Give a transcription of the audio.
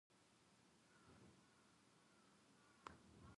よさこいサークルって最高です